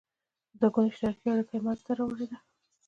دوه ګوني اشتراکي اړیکه یې مینځته راوړې ده.